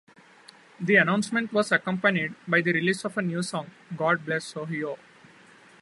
The announcement was accompanied by the release of a new song, "God Bless Ohio".